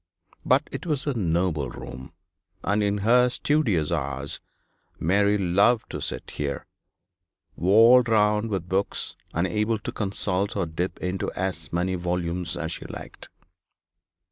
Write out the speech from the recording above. But it was a noble room, and in her studious hours Mary loved to sit here, walled round with books, and able to consult or dip into as many volumes as she liked.